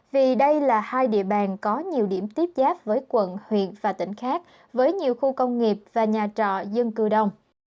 vì đây là hai địa bàn có nhiều điểm tiếp giáp với quận huyện và tỉnh khác với nhiều khu công nghiệp và nhà trọ dân cư đông